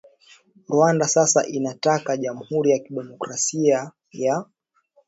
Rwanda sasa inataka jamhuri ya kidemokrasia ya